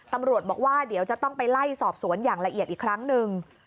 ตำรวจบอกว่าเดี๋ยวจะต้องไปไล่สอบสวนอย่างละเอียดอีกครั้งหนึ่ง